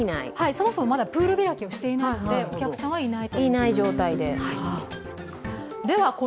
そもそもまだプール開きをしていないので、お客さんはいないと。